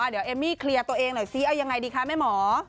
เดี๋ยวเอมมี่เคลียร์ตัวเองหน่อยซิเอายังไงดีคะแม่หมอ